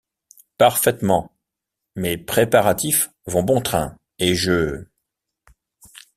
Parfaitement ; mes préparatifs vont bon train, et je...